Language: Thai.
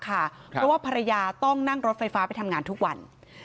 เพราะว่าภรรยาต้องนั่งรถไฟฟ้าไปทำงานทุกวัน